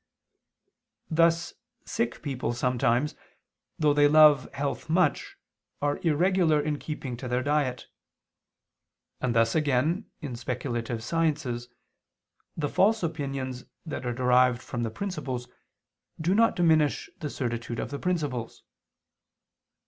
Thus sick people sometimes, though they love health much, are irregular in keeping to their diet: and thus again, in speculative sciences, the false opinions that are derived from the principles, do not diminish the certitude of the principles.